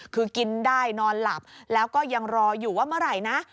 คือกินได้นอนหลับแล้วก็ยังรออยู่ว่าเมื่อไหร่นะ